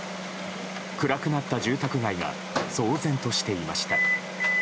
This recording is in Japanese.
暗くなった住宅街が騒然としていました。